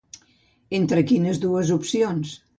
Entre quines dues opcions?